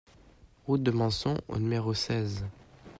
Route de Manson au numéro seize